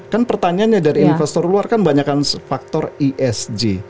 kan pertanyaannya dari investor luar kan banyak faktor esg